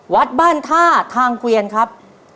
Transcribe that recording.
วัดบ้านท่าทางเกวียนครับ